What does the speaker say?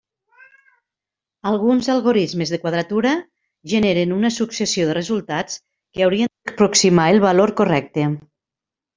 Alguns algorismes de quadratura generen una successió de resultats que haurien d'aproximar el valor correcte.